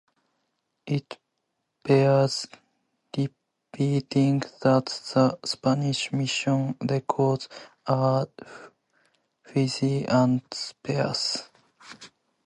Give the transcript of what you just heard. It bears repeating that the Spanish mission records are fuzzy and sparse.